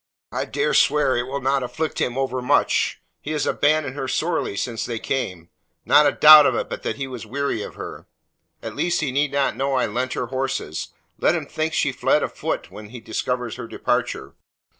I dare swear it will not afflict him overmuch. He has abandoned her sorely since they came; not a doubt of it but that he is weary of her. At least he need not know I lent her horses. Let him think she fled a foot, when he discovers her departure."